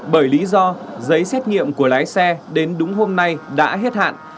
bởi lý do giấy xét nghiệm của lái xe đến đúng hôm nay đã hết hạn